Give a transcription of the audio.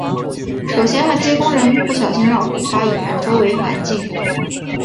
首先焊接工人不小心让火花引燃周围环境。